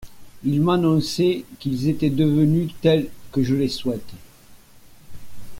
Ils m'annonçaient qu'ils étaient devenus tels que je les souhaite.